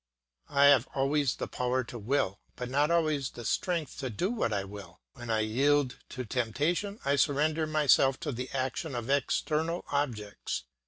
I have always the power to will, but not always the strength to do what I will. When I yield to temptation I surrender myself to the action of external objects.